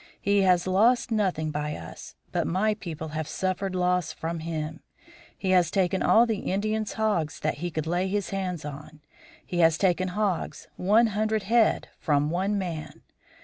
He has lost nothing by us; but my people have suffered loss from him. He has taken all the Indians' hogs that he could lay his hands on. He has taken hogs one hundred head from one man.